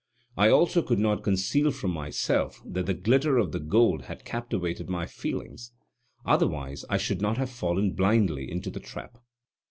I also could not conceal from myself that the glitter of the gold had captivated my feelings, otherwise I should not have fallen blindly into the trap.